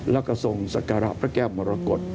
แล้วก็ทรงศักระพระแก้วมรกฏ